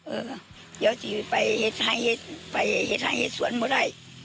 เออยาจะไปเฮ็ดห้ายเฮ็ดไปเฮ็ดห้ายเฮ็ดสวนหมดได้